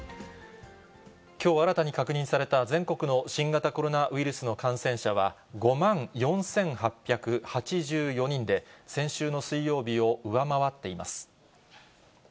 きょう新たに確認された全国の新型コロナウイルスの感染者は５万４８８４人で、先週の水曜日を上回っています。